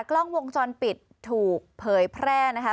กล้องวงจรปิดถูกเผยแพร่นะคะ